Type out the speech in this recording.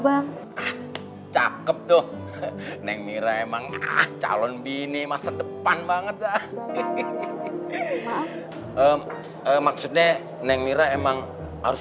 bang cakep tuh neng mira emang calon bini masa depan banget dah maksudnya neng mira emang harus